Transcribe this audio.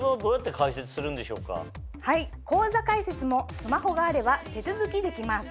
口座開設もスマホがあれば手続きできます。